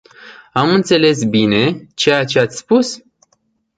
Am înțeles bine ceea ce ați spus?